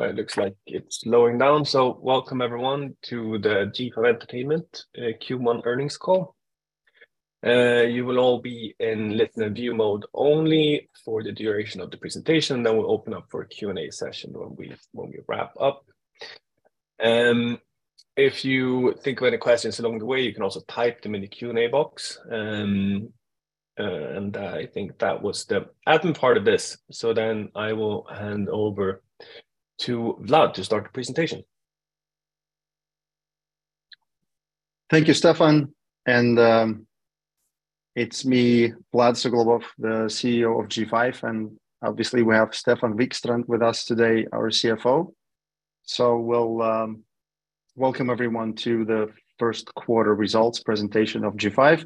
It looks like it's slowing down. Welcome everyone to the G5 Entertainment, Q1 earnings call. You will all be in listen and view mode only for the duration of the presentation, then we'll open up for a Q&A session when we wrap up. If you think of any questions along the way, you can also type them in the Q&A box. I think that was the admin part of this. I will hand over to Vlad to start the presentation. Thank you, Stefan. It's me, Vlad Suglobov, the CEO of G5, and obviously we have Stefan Wikstrand with us today, our CFO. We'll welcome everyone to the first quarter results presentation of G5,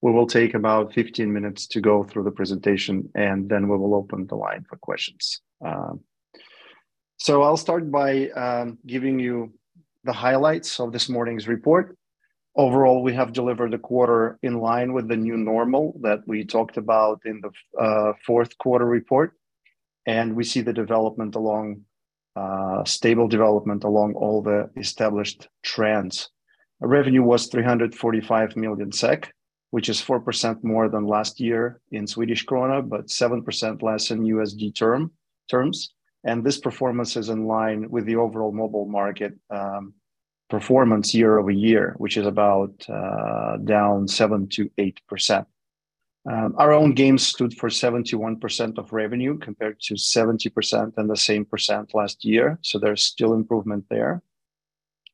which will take about 15 minutes to go through the presentation, and then we will open the line for questions. I'll start by giving you the highlights of this morning's report. Overall, we have delivered a quarter in line with the new normal that we talked about in the fourth quarter report, and we see the development along stable development along all the established trends. Revenue was 345 million SEK, which is 4% more than last year in Swedish krona, but 7% less in USD terms. This performance is in line with the overall mobile market performance year-over-year, which is about down 7%-8%. Our own games stood for 71% of revenue compared to 70% and the same percent last year. There's still improvement there.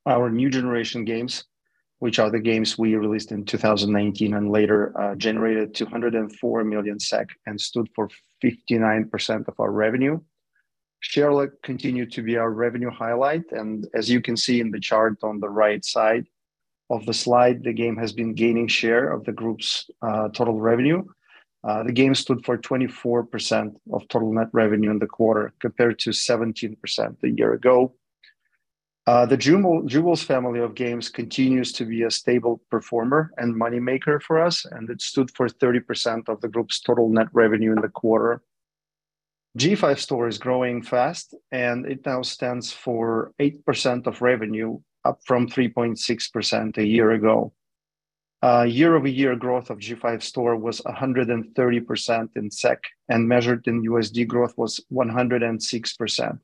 Our new generation games, which are the games we released in 2019 and later, generated 204 million SEK and stood for 59% of our revenue. Sherlock continued to be our revenue highlight. As you can see in the chart on the right side of the slide, the game has been gaining share of the group's total revenue. The game stood for 24% of total net revenue in the quarter compared to 17% a year ago. The Jewels family of games continues to be a stable performer and money maker for us, and it stood for 30% of the group's total net revenue in the quarter. G5 Store is growing fast, and it now stands for 8% of revenue, up from 3.6% a year ago. Year-over-year growth of G5 Store was 130% in SEK, and measured in USD growth was 106%.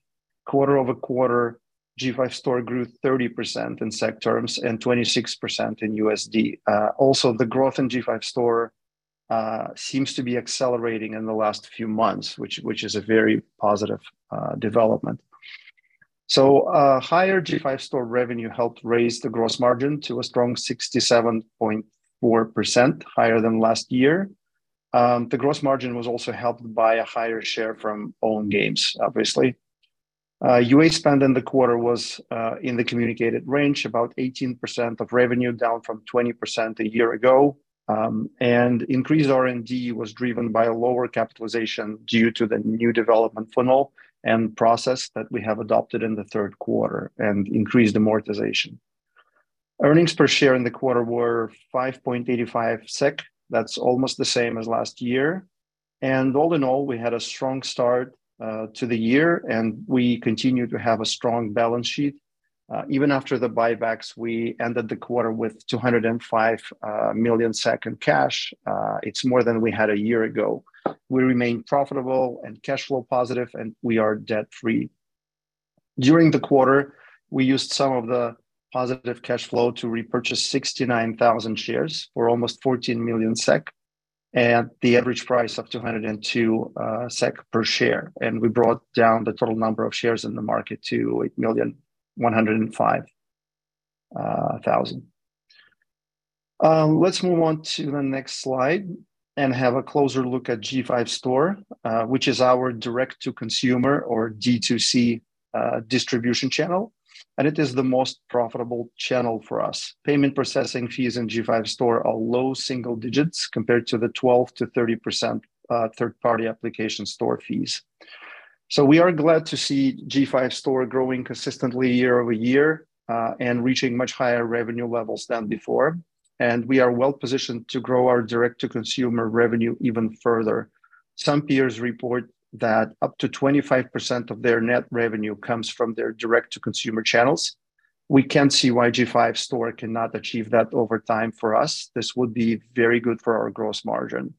Quarter-over-quarter, G5 Store grew 30% in SEK terms and 26% in USD. Also the growth in G5 Store seems to be accelerating in the last few months, which is a very positive development. Higher G5 Store revenue helped raise the gross margin to a strong 67.4% higher than last year. The gross margin was also helped by a higher share from own games, obviously. UA spend in the quarter was in the communicated range, about 18% of revenue down from 20% a year ago. Increased R&D was driven by a lower capitalization due to the new development funnel and process that we have adopted in the third quarter and increased amortization. Earnings per share in the quarter were 5.85 SEK. That's almost the same as last year. All in all, we had a strong start to the year, and we continued to have a strong balance sheet. Even after the buybacks, we ended the quarter with 205 million cash. It's more than we had a year ago. We remain profitable and cash flow positive, and we are debt-free. During the quarter, we used some of the positive cash flow to repurchase 69,000 shares for almost 14 million SEK at the average price of 202 SEK per share, and we brought down the total number of shares in the market to 8,105,000. Let's move on to the next slide and have a closer look at G5 Store, which is our direct-to-consumer or D2C distribution channel, and it is the most profitable channel for us. Payment processing fees in G5 Store are low single digits compared to the 12%-30% third-party application store fees. We are glad to see G5 Store growing consistently year-over-year and reaching much higher revenue levels than before. We are well-positioned to grow our direct-to-consumer revenue even further. Some peers report that up to 25% of their net revenue comes from their direct-to-consumer channels. We can see why G5 Store cannot achieve that over time. For us, this would be very good for our gross margin.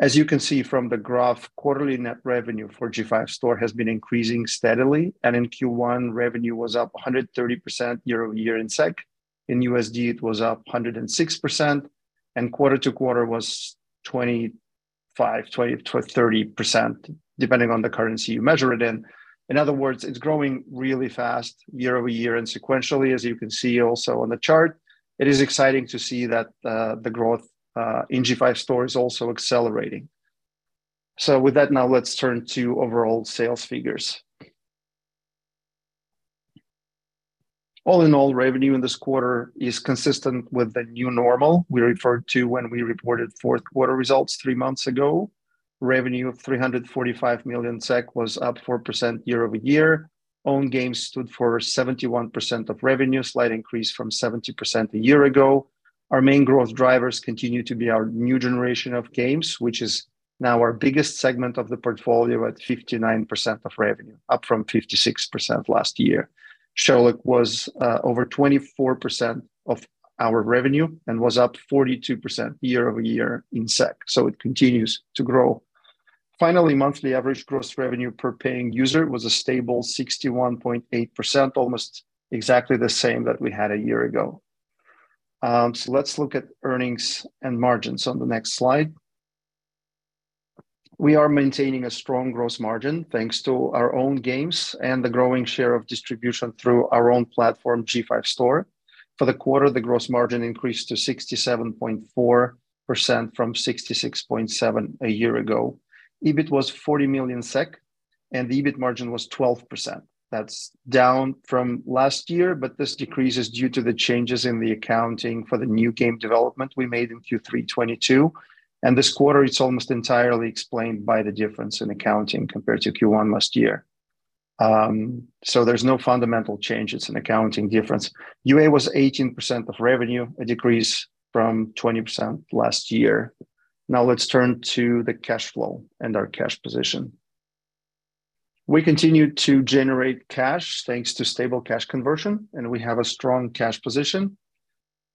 As you can see from the graph, quarterly net revenue for G5 Store has been increasing steadily, in Q1, revenue was up 130% year-over-year in SEK. In USD, it was up 106%, and quarter-to-quarter was 20-30%, depending on the currency you measure it in. In other words, it's growing really fast year-over-year and sequentially, as you can see also on the chart. It is exciting to see that the growth in G5 Store is also accelerating. With that now, let's turn to overall sales figures. All in all, revenue in this quarter is consistent with the new normal we referred to when we reported fourth quarter results three months ago. Revenue of 345 million SEK was up 4% year-over-year. Own games stood for 71% of revenue, slight increase from 70% a year ago. Our main growth drivers continue to be our new generation of games, which is now our biggest segment of the portfolio at 59% of revenue, up from 56% last year. Sherlock was over 24% of our revenue and was up 42% year-over-year in SEK. It continues to grow. Finally, monthly average gross revenue per paying user was a stable 61.8%, almost exactly the same that we had a year ago. Let's look at earnings and margins on the next slide. We are maintaining a strong gross margin thanks to our own games and the growing share of distribution through our own platform, G5 Store. For the quarter, the gross margin increased to 67.4% from 66.7% a year ago. EBIT was 40 million SEK. The EBIT margin was 12%. That's down from last year, this decrease is due to the changes in the accounting for the new game development we made in Q3 2022, this quarter it's almost entirely explained by the difference in accounting compared to Q1 last year. There's no fundamental change. It's an accounting difference. UA was 18% of revenue, a decrease from 20% last year. Let's turn to the cash flow and our cash position. We continued to generate cash thanks to stable cash conversion, we have a strong cash position.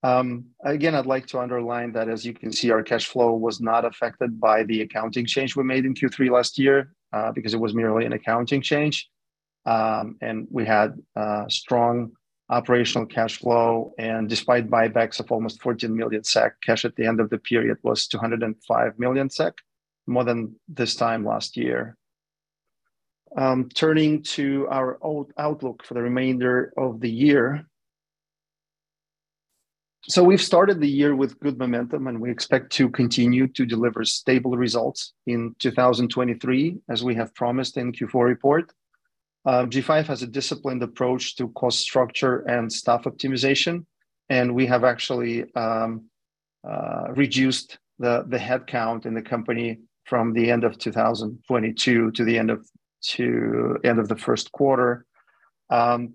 Again, I'd like to underline that as you can see, our cash flow was not affected by the accounting change we made in Q3 last year, because it was merely an accounting change. We had strong operational cash flow and despite buybacks of almost 14 million SEK, cash at the end of the period was 205 million SEK, more than this time last year. Turning to our outlook for the remainder of the year. We've started the year with good momentum, and we expect to continue to deliver stable results in 2023, as we have promised in Q4 report. G5 has a disciplined approach to cost structure and staff optimization, and we have actually reduced the headcount in the company from the end of 2022 to the end of the first quarter.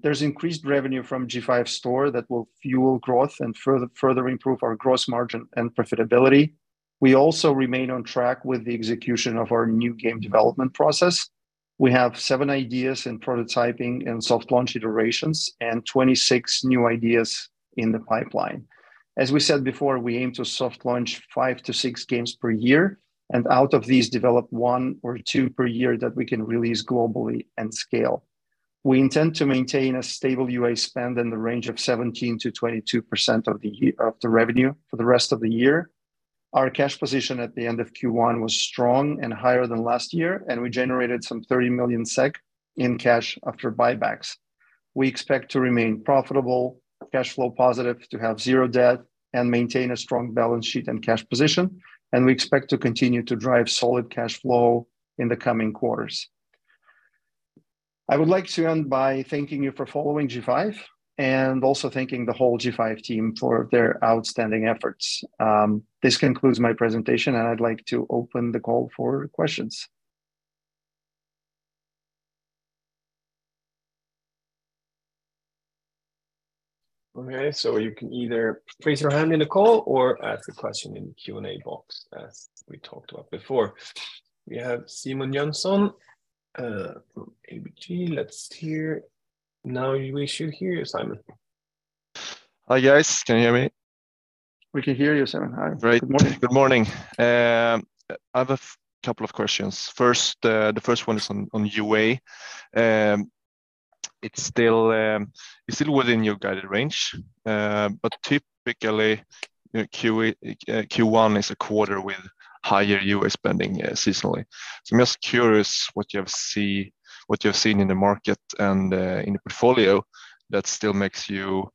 There's increased revenue from G5 Store that will fuel growth and further improve our gross margin and profitability. We also remain on track with the execution of our new game development process. We have seven ideas in prototyping and soft launch iterations and 26 new ideas in the pipeline. As we said before, we aim to soft launch five to six games per year, and out of these, develop one or two per year that we can release globally and scale. We intend to maintain a stable UA spend in the range of 17%-22% of the revenue for the rest of the year. Our cash position at the end of Q1 was strong and higher than last year, and we generated some 30 million SEK in cash after buybacks. We expect to remain profitable, cash flow positive, to have zero debt and maintain a strong balance sheet and cash position. We expect to continue to drive solid cash flow in the coming quarters. I would like to end by thanking you for following G5 and also thanking the whole G5 team for their outstanding efforts. This concludes my presentation, and I'd like to open the call for questions. You can either raise your hand in the call or ask a question in the Q&A box, as we talked about before. We have Simon Jönsson from ABG. Now we should hear you, Simon. Hi, guys. Can you hear me? We can hear you, Simon. Hi. Good morning. Great. Good morning. I have a couple of questions. First, the first one is on UA. It's still within your guided range, but typically, you know, Q1 is a quarter with higher UA spending, seasonally. I'm just curious what you have seen in the market and, in the portfolio that still makes you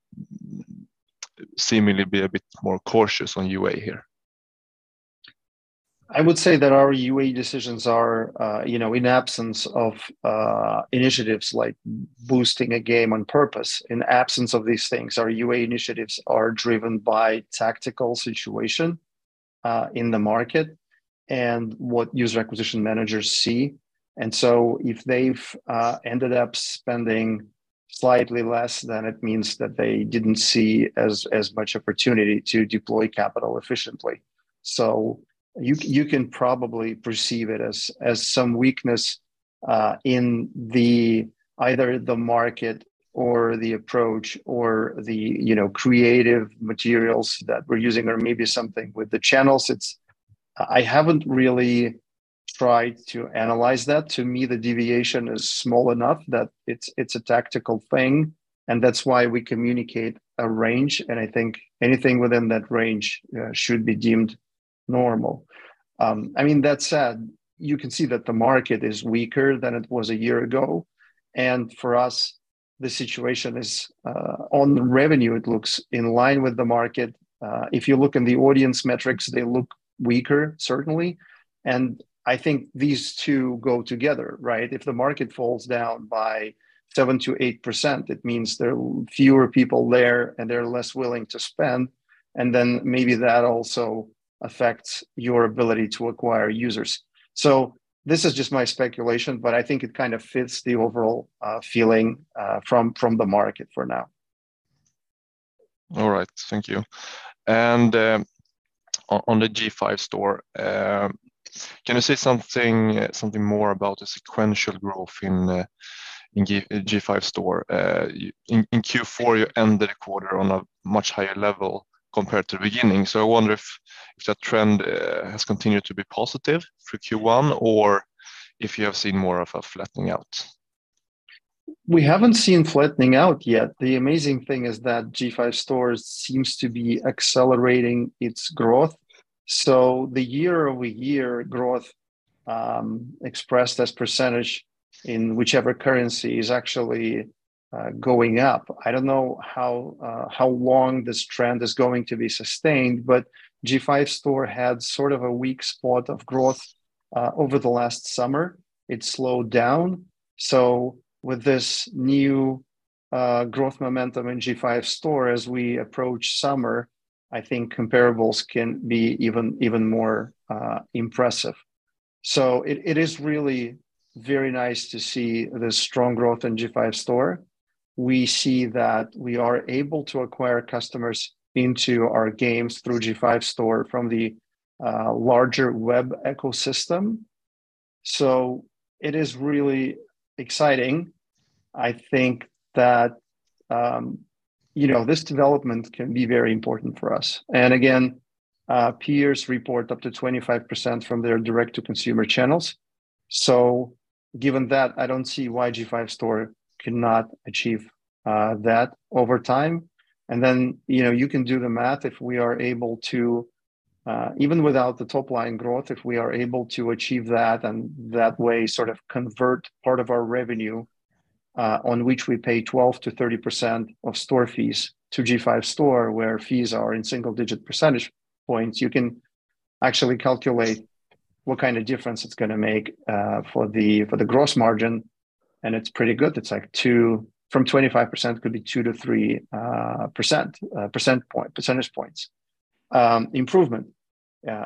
seemingly be a bit more cautious on UA here. I would say that our UA decisions are, you know, in absence of initiatives like boosting a game on purpose. In absence of these things, our UA initiatives are driven by tactical situation in the market and what user acquisition managers see. If they've ended up spending slightly less, then it means that they didn't see as much opportunity to deploy capital efficiently. You, you can probably perceive it as some weakness in the either the market or the approach or the, you know, creative materials that we're using or maybe something with the channels. I haven't really tried to analyze that. To me, the deviation is small enough that it's a tactical thing, and that's why we communicate a range, and I think anything within that range should be deemed normal. I mean, that said, you can see that the market is weaker than it was a year ago. For us, the situation is on the revenue, it looks in line with the market. If you look in the audience metrics, they look weaker, certainly. I think these two go together, right? If the market falls down by 7%-8%, it means there are fewer people there, and they're less willing to spend. Then maybe that also affects your ability to acquire users. This is just my speculation, but I think it kind of fits the overall feeling from the market for now. All right. Thank you. On the G5 Store, can you say something more about the sequential growth in G5 Store? In Q4, you ended the quarter on a much higher level compared to the beginning. I wonder if that trend has continued to be positive through Q1 or if you have seen more of a flattening out. We haven't seen flattening out yet. The amazing thing is that G5 Store seems to be accelerating its growth. The year-over-year growth, expressed as percentage in whichever currency is actually going up. I don't know how long this trend is going to be sustained, but G5 Store had sort of a weak spot of growth over the last summer. It slowed down. With this new growth momentum in G5 Store as we approach summer, I think comparables can be even more impressive. It is really very nice to see the strong growth in G5 Store. We see that we are able to acquire customers into our games through G5 Store from the larger web ecosystem. It is really exciting. I think that, you know, this development can be very important for us. Peers report up to 25% from their direct-to-consumer channels. I don't see why G5 Store cannot achieve that over time. You know, you can do the math if we are able to, even without the top-line growth, if we are able to achieve that and that way sort of convert part of our revenue, on which we pay 12%-30% of store fees to G5 Store where fees are in single-digit percentage points. You can actually calculate what kind of difference it's going to make for the gross margin, and it's pretty good. It's like from 25% could be 2 to 3 percentage points improvement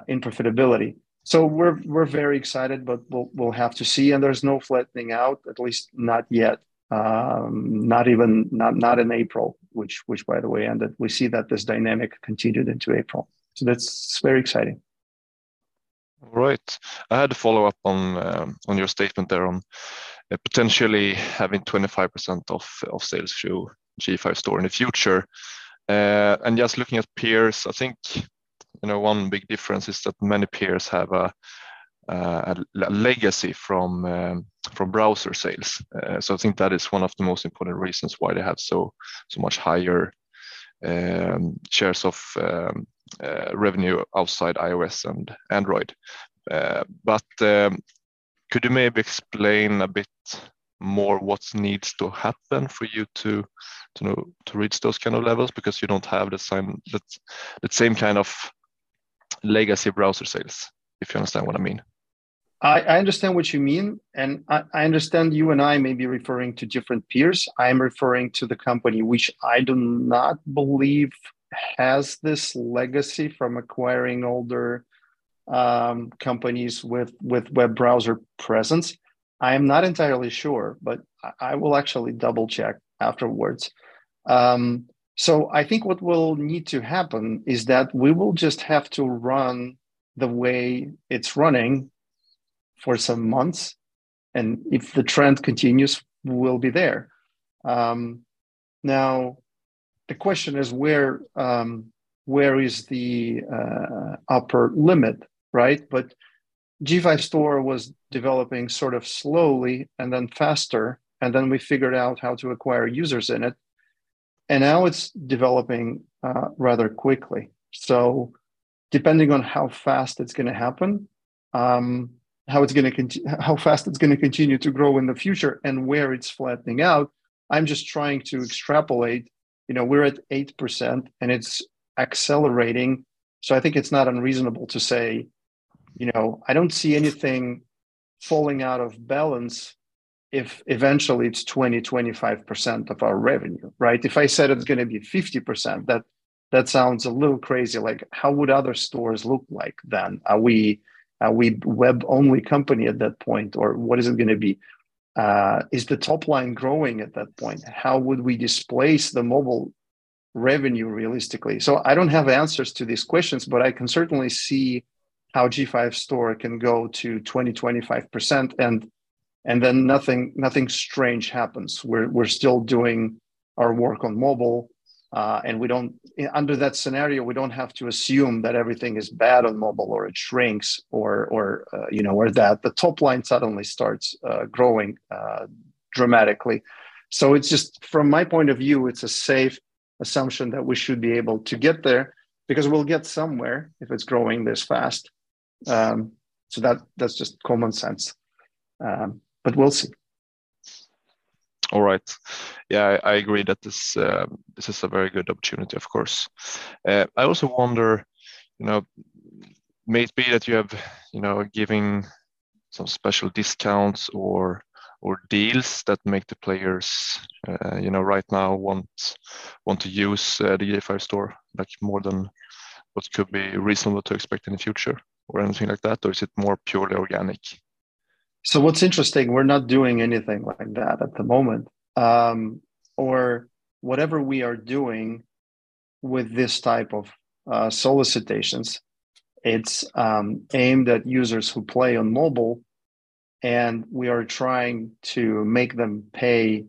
in profitability. We're very excited, but we'll have to see. There's no flattening out, at least not yet. not in April, which by the way ended, we see that this dynamic continued into April. That's very exciting. All right. I had to follow up on your statement there on potentially having 25% of sales through G5 Store in the future. Just looking at peers, I think, you know, one big difference is that many peers have a legacy from browser sales. I think that is one of the most important reasons why they have so much higher shares of revenue outside iOS and Android. Could you maybe explain a bit more what needs to happen for you to reach those kind of levels because you don't have the same kind of legacy browser sales, if you understand what I mean. I understand what you mean, and I understand you and I may be referring to different peers. I'm referring to the company which I do not believe has this legacy from acquiring older companies with web browser presence. I am not entirely sure, but I will actually double-check afterwards. I think what will need to happen is that we will just have to run the way it's running for some months, and if the trend continues, we will be there. Now the question is where is the upper limit, right? G5 Store was developing sort of slowly and then faster, and then we figured out how to acquire users in it, and now it's developing rather quickly. Depending on how fast it's going to happen, how fast it's going to continue to grow in the future and where it's flattening out, I'm just trying to extrapolate. You know, we're at 8% and it's accelerating, I think it's not unreasonable to say, you know, I don't see anything falling out of balance if eventually it's 20%-25% of our revenue, right? If I said it's going to be 50%, that sounds a little crazy. Like, how would other stores look like then? Are we web-only company at that point, or what is it going to be? Is the top line growing at that point? How would we displace the mobile revenue realistically? I don't have answers to these questions, but I can certainly see how G5 Store can go to 20%-25% and then nothing strange happens. We're still doing our work on mobile, and under that scenario, we don't have to assume that everything is bad on mobile or it shrinks or, you know, or that the top line suddenly starts growing dramatically. It's just, from my point of view, it's a safe assumption that we should be able to get there because we'll get somewhere if it's growing this fast. That's just common sense. We'll see. All right. Yeah, I agree that this is a very good opportunity, of course. I also wonder, you know, may it be that you have, you know, giving some special discounts or deals that make the players, you know, right now want to use the G5 Store much more than what could be reasonable to expect in the future or anything like that? Is it more purely organic? What's interesting, we're not doing anything like that at the moment. Or whatever we are doing with this type of solicitations, it's aimed at users who play on mobile, and we are trying to make them pay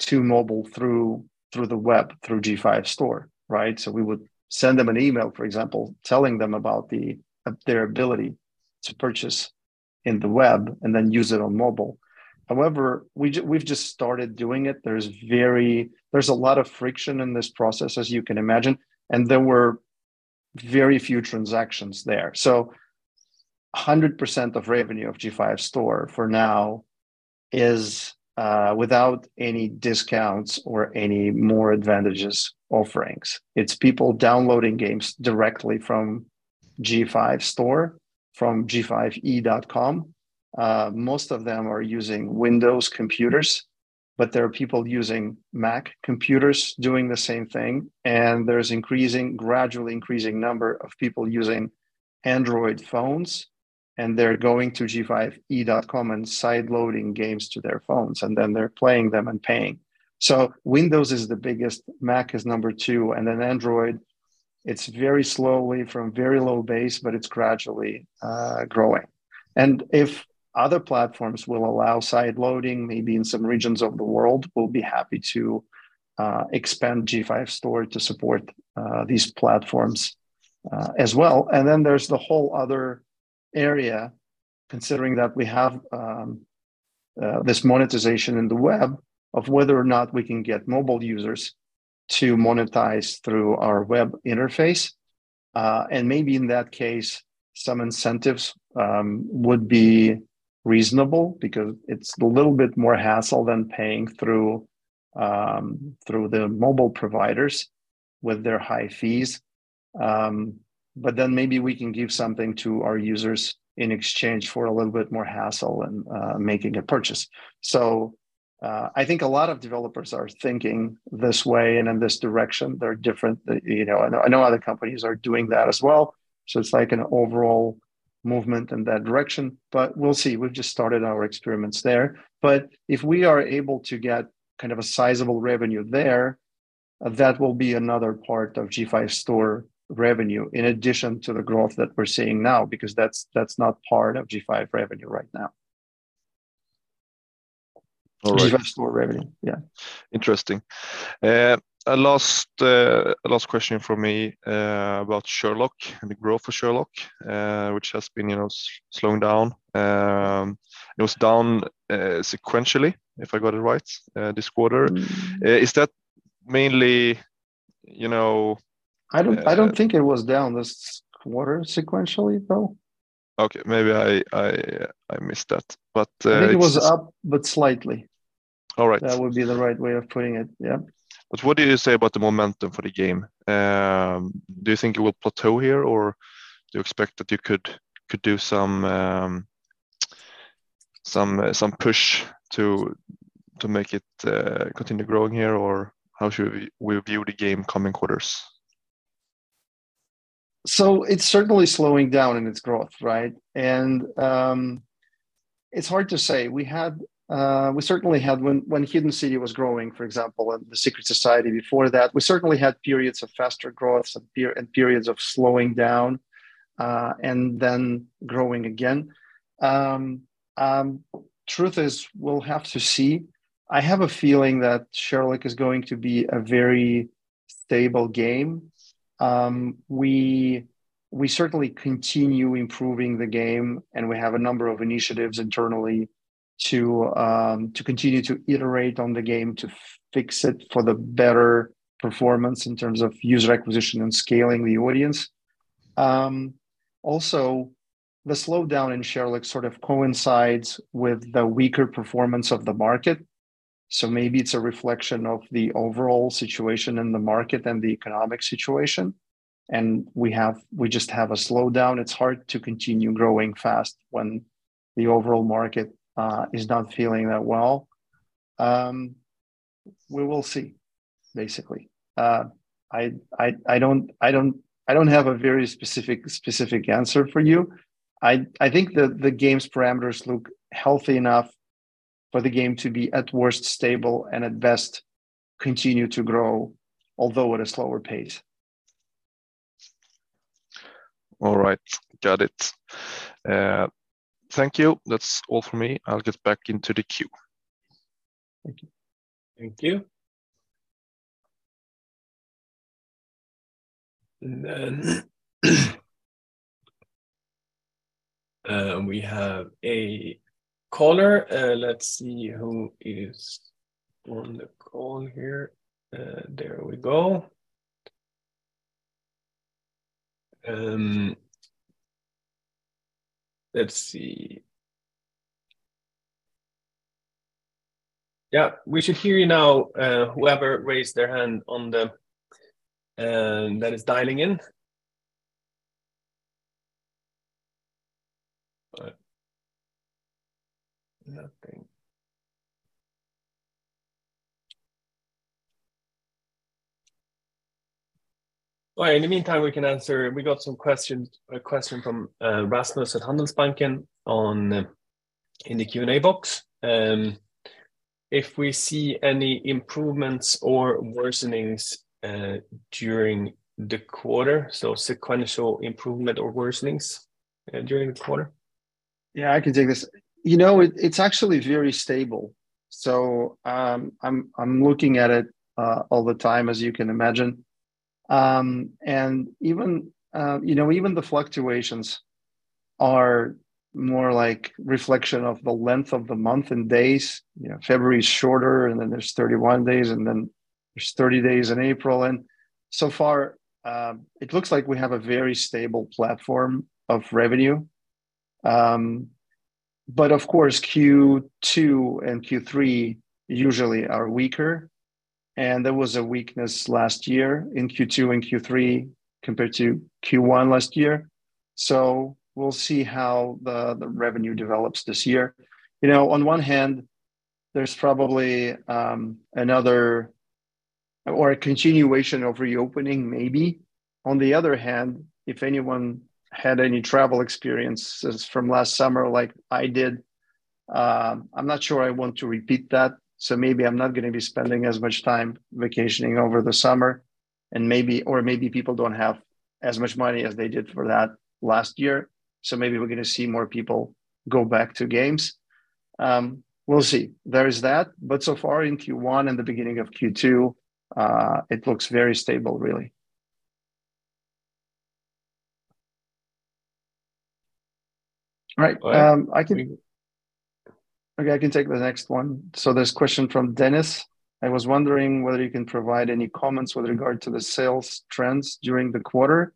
to mobile through the web, through G5 Store, right? We would send them an email, for example, telling them about their ability to purchase in the web and then use it on mobile. However, we've just started doing it. There's a lot of friction in this process, as you can imagine, and there were very few transactions there. 100% of revenue of G5 Store for now is without any discounts or any more advantages offerings. It's people downloading games directly from G5 Store from G5E.com. Most of them are using Windows computers, but there are people using Mac computers doing the same thing, and there's increasing, gradually increasing number of people using Android phones, and they're going to G5E.com and sideloading games to their phones, and then they're playing them and paying. Windows is the biggest, Mac is number two, and then Android, it's very slowly from very low base, but it's gradually growing. If other platforms will allow sideloading, maybe in some regions of the world, we'll be happy to expand G5 Store to support these platforms as well. There's the whole other area, considering that we have this monetization in the web of whether or not we can get mobile users to monetize through our web interface. Maybe in that case, some incentives would be reasonable because it's a little bit more hassle than paying through the mobile providers with their high fees. Then maybe we can give something to our users in exchange for a little bit more hassle in making a purchase. I think a lot of developers are thinking this way and in this direction. They're different, you know. I know, I know other companies are doing that as well, so it's like an overall movement in that direction. We'll see. We've just started our experiments there. If we are able to get kind of a sizable revenue there, that will be another part of G5 Store revenue in addition to the growth that we're seeing now because that's not part of G5 revenue right now. All right. G5 Store revenue. Yeah. Interesting. A last question from me, about Sherlock and the growth for Sherlock, which has been, you know, slowing down. It was down, sequentially, if I got it right, this quarter. Mm-hmm. Is that mainly, you know? I don't think it was down this quarter sequentially, though. Okay. Maybe I missed that, but. I think it was up but slightly. All right. That would be the right way of putting it. Yeah. What do you say about the momentum for the game? Do you think it will plateau here, or do you expect that you could do some push to make it continue growing here, or how should we view the game coming quarters? It's certainly slowing down in its growth, right? It's hard to say. We certainly had when Hidden City was growing, for example, and The Secret Society before that, we certainly had periods of faster growth and periods of slowing down and then growing again. Truth is we'll have to see. I have a feeling that Sherlock is going to be a very stable game. We certainly continue improving the game, and we have a number of initiatives internally to continue to iterate on the game to fix it for the better performance in terms of user acquisition and scaling the audience. Also the slowdown in Sherlock sort of coincides with the weaker performance of the market, so maybe it's a reflection of the overall situation in the market and the economic situation. We have, we just have a slowdown. It's hard to continue growing fast when the overall market is not feeling that well. We will see, basically. I don't have a very specific answer for you. I think the game's parameters look healthy enough for the game to be at worst stable and at best continue to grow, although at a slower pace. All right. Got it. Thank you. That's all for me. I'll get back into the queue. Thank you. Thank you. We have a caller. Let's see who is on the call here. There we go. Let's see. Yeah, we should hear you now, whoever raised their hand on the, that is dialing in. All right. Nothing Well, in the meantime, we can answer. We got some questions, a question from Rasmus at Handelsbanken in the Q&A box. If we see any improvements or worsenings during the quarter, so sequential improvement or worsenings during the quarter. Yeah, I can take this. You know, it's actually very stable. I'm looking at it all the time, as you can imagine. Even, you know, even the fluctuations are more like reflection of the length of the month and days. You know, February is shorter, and then there's 31 days, and then there's 30 days in April. So far, it looks like we have a very stable platform of revenue. Of course, Q2 and Q3 usually are weaker, and there was a weakness last year in Q2 and Q3 compared to Q1 last year. We'll see how the revenue develops this year. You know, on one hand, there's probably another or a continuation of reopening, maybe. On the other hand, if anyone had any travel experiences from last summer like I did, I'm not sure I want to repeat that, so maybe I'm not gonna be spending as much time vacationing over the summer. Maybe, or maybe people don't have as much money as they did for that last year, so maybe we're gonna see more people go back to games. We'll see. There is that, but so far in Q1 and the beginning of Q2, it looks very stable really. Right. Okay, I can take the next one. There's a question from Dennis. I was wondering whether you can provide any comments with regard to the sales trends during the quarter,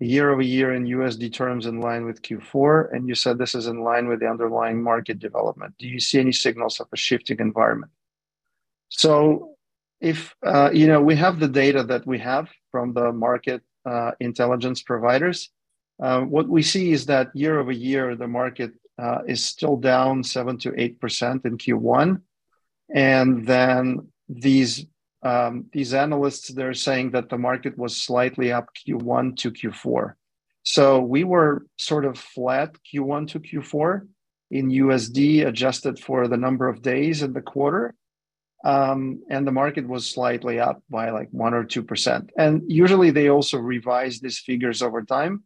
year-over-year in USD terms in line with Q4, and you said this is in line with the underlying market development. Do you see any signals of a shifting environment? If, you know, we have the data that we have from the market, intelligence providers, what we see is that year-over-year, the market is still down 7%-8% in Q1. These analysts, they're saying that the market was slightly up Q1 to Q4. We were sort of flat Q1 to Q4 in USD, adjusted for the number of days in the quarter. The market was slightly up by like 1% or 2%. Usually, they also revise these figures over time.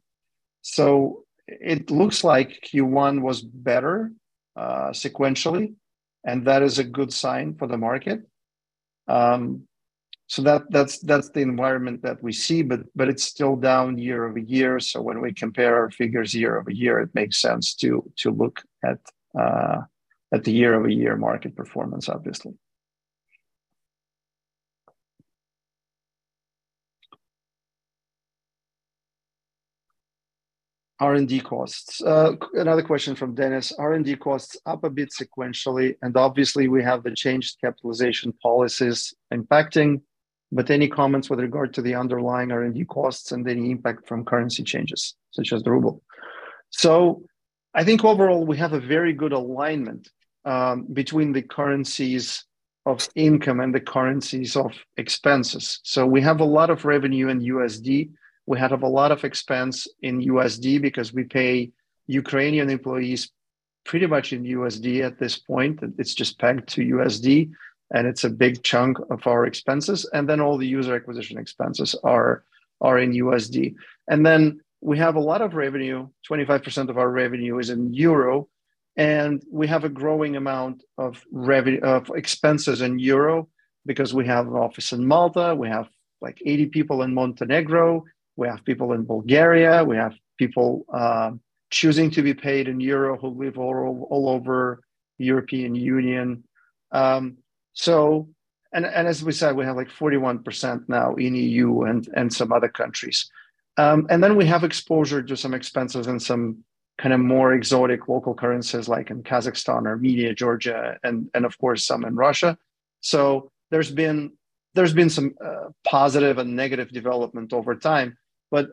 It looks like Q1 was better sequentially, and that is a good sign for the market. That's the environment that we see, but it's still down year-over-year. When we compare our figures year-over-year, it makes sense to look at the year-over-year market performance, obviously. R&D costs. Another question from Dennis. R&D costs up a bit sequentially, and obviously, we have the changed capitalization policies impacting. Any comments with regard to the underlying R&D costs and any impact from currency changes, such as the ruble? I think overall we have a very good alignment between the currencies of income and the currencies of expenses. We have a lot of revenue in USD. We have a lot of expense in USD because we pay Ukrainian employees pretty much in USD at this point. It's just pegged to USD, and it's a big chunk of our expenses. All the user acquisition expenses are in USD. Then we have a lot of revenue, 25% of our revenue is in EUR, and we have a growing amount of of expenses in EUR because we have an office in Malta. We have like 80 people in Montenegro. We have people in Bulgaria. We have people choosing to be paid in EUR who live all over the European Union. And, and as we said, we have like 41% now in EU and some other countries. Then we have exposure to some expenses and some kind of more exotic local currencies like in Kazakhstan or Armenia, Georgia, and of course, some in Russia. There's been some positive and negative development over time, but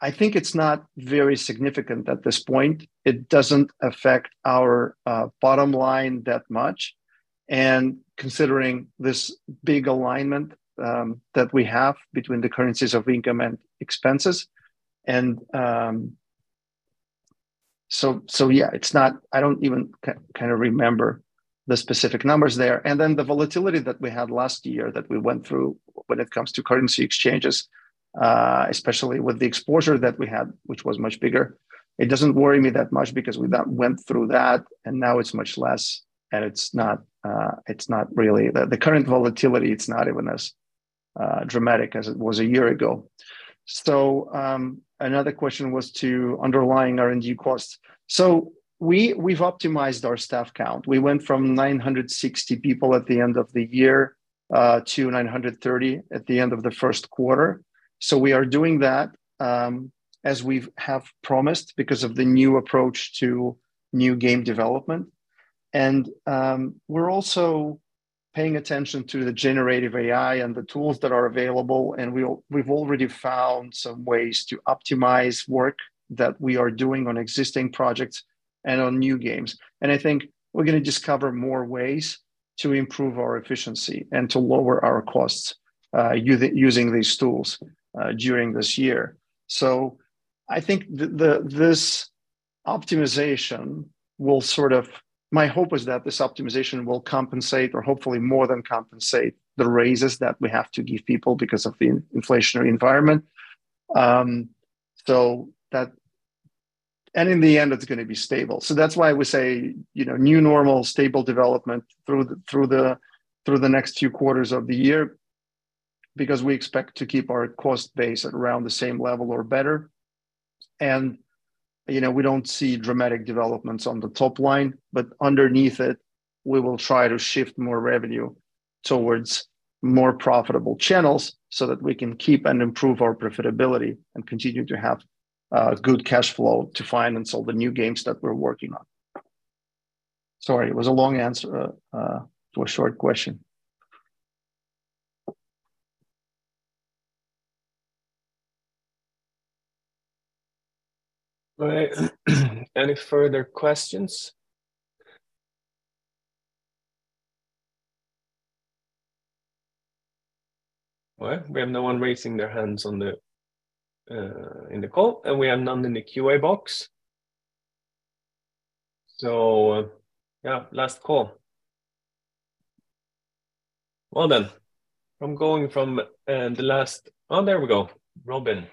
I think it's not very significant at this point. It doesn't affect our bottom line that much, and considering this big alignment, that we have between the currencies of income and expenses. So yeah, it's not. I don't even kind of remember the specific numbers there. Then the volatility that we had last year that we went through when it comes to currency exchanges, especially with the exposure that we had, which was much bigger, it doesn't worry me that much because we went through that and now it's much less and it's not, it's not really. The current volatility, it's not even as dramatic as it was a year ago. Another question was to underlying R&D costs. We've optimized our staff count. We went from 960 people at the end of the year, to 930 at the end of the first quarter. We are doing that, as we have promised because of the new approach to new game development. We're also paying attention to the generative AI and the tools that are available, and we've already found some ways to optimize work that we are doing on existing projects and on new games. I think we're gonna discover more ways to improve our efficiency and to lower our costs, using these tools during this year. I think this optimization will. My hope is that this optimization will compensate or hopefully more than compensate the raises that we have to give people because of the inflationary environment. In the end, it's gonna be stable. That's why we say, you know, new normal stable development through the next few quarters of the year, because we expect to keep our cost base at around the same level or better. You know, we don't see dramatic developments on the top line, but underneath it, we will try to shift more revenue towards more profitable channels so that we can keep and improve our profitability and continue to have good cash flow to finance all the new games that we're working on. Sorry, it was a long answer to a short question. All right. Any further questions? We have no one raising their hands on the in the call, and we have none in the QA box. Yeah, last call. Then, I'm going from the last. Oh, there we go. Robin.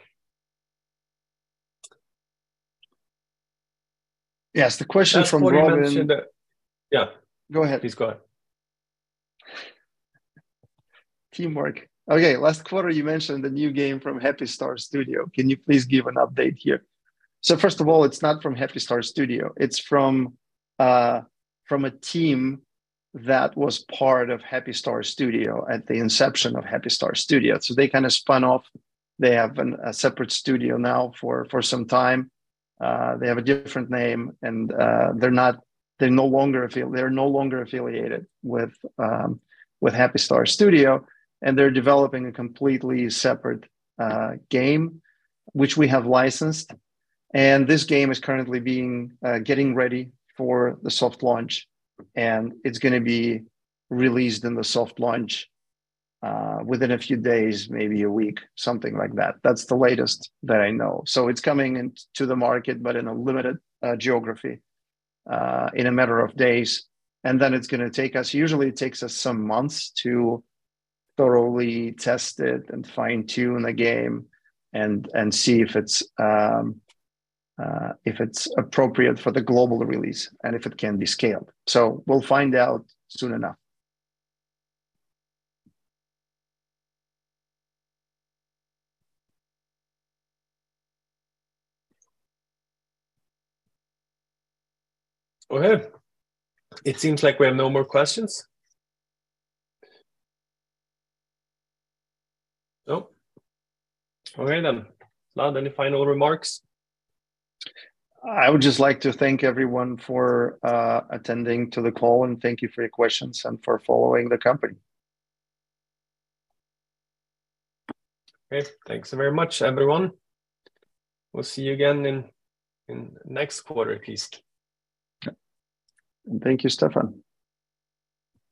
Yes. The question from Robin- Yeah. Go ahead. Please go ahead. Teamwork. Okay. Last quarter you mentioned the new game from HappyStar Games. Can you please give an update here? First of all, it's not from HappyStar Games, it's from a team that was part of HappyStar Games at the inception of HappyStar Games. They kind of spun off. They have a separate studio now for some time. They have a different name, and they're no longer affiliated with HappyStar Games, and they're developing a completely separate game, which we have licensed. This game is currently being getting ready for the soft launch, and it's gonna be released in the soft launch within a few days, maybe a week, something like that. That's the latest that I know. It's coming into the market, but in a limited, geography, in a matter of days. It's gonna take us. Usually it takes us some months to thoroughly test it and fine-tune the game and see if it's appropriate for the global release and if it can be scaled. We'll find out soon enough. Okay. It seems like we have no more questions. No. Okay. Vlad, any final remarks? I would just like to thank everyone for attending to the call, and thank you for your questions and for following the company. Okay. Thanks very much, everyone. We'll see you again in next quarter at least. Thank you, Stefan.